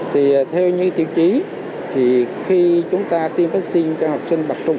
thì theo như tiêu chí thì khi chúng ta tiêm vaccine cho học sinh bậc trung